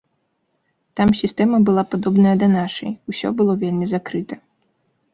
Там сістэма была падобная да нашай, усё было вельмі закрыта.